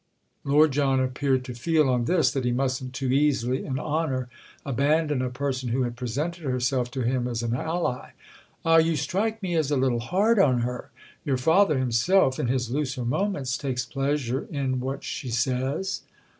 Lord John appeared to feel, on this, that he mustn't too easily, in honour, abandon a person who had presented herself to him as an ally. "Ah, you strike me as a little hard on her. Your father himself—in his looser moments!—takes pleasure in what she says."